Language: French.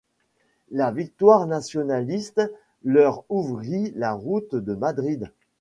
La victoire nationaliste leur ouvrit la route de Madrid.